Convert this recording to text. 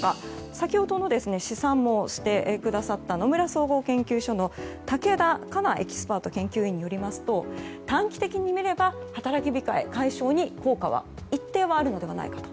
先ほどの試算もしてくださった野村総合研究所の武田佳奈エキスパート研究員によりますと短期的に見れば働き控え解消の効果が一定はあるのではないかと。